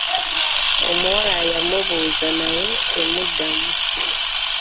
Omuwala yamubuuza naye temuddamu.